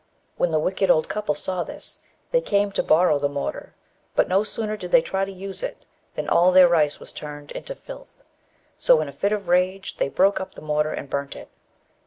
When the wicked old couple saw this, they came to borrow the mortar; but no sooner did they try to use it, than all their rice was turned into filth; so, in a fit of rage, they broke up the mortar and burnt it.